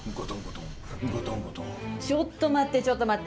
がたんごとん、ちょっと待って、ちょっと待って。